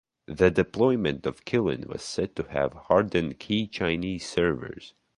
The deployment of Kylin was said to have "hardened key Chinese servers".